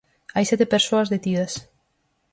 Hai sete persoas detidas.